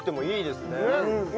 いいですね。